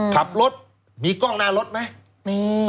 ขับรถมีกล้องหน้ารถไหมมี